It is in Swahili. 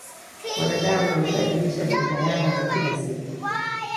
wanadam wamebadilisha maisha yao ya kila siku